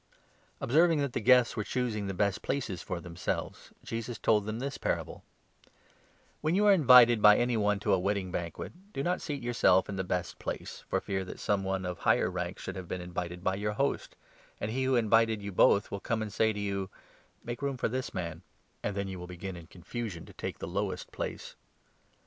6 Lessons on Observing that the guests were choosing the 7 Humility ana best places for themselves, Jesus told them this Hospitality, parable— '' When you are invited by any one to a wedding banquet, do 8 not seat yourself in the best place, for fear that some one of higher rank should have been invited by your host ; and he who 9 invited you both will come and say to you ' Make room for this man,' and then you will begin in confusion to take the lowest place.